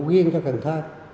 quyên cho cần thơ